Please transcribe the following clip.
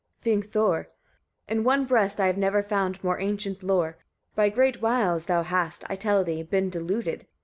Vingthor. 36. In one breast I have never found more ancient lore. By great wiles thou hast, I tell thee, been deluded.